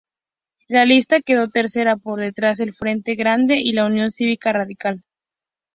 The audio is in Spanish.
La lista quedó tercera, por detrás del Frente Grande y la Unión Cívica Radical.